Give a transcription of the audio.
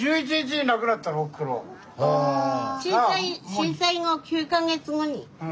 震災後９か月後に。